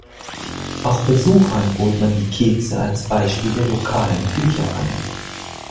Auch Besuchern bot man die Kekse als Beispiel der lokalen Küche an.